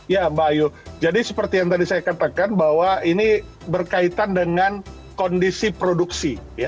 ya mbak ayu jadi seperti yang tadi saya katakan bahwa ini berkaitan dengan kondisi produksi